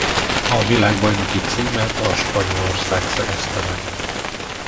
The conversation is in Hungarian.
A világbajnoki címet a Spanyolország szerezte meg.